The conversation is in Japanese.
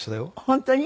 本当に？